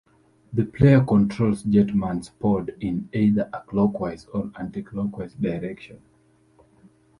The player controls Jetman's pod in either a clockwise or anti-clockwise direction.